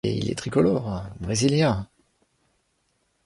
Mais il est tricolore… brésilien